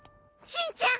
しんちゃん！